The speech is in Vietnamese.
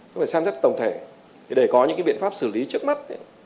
cũng phải xem rất tổng thể để có những biện pháp xử lý trước mắt